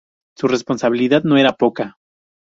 Su responsabilidad no era poca.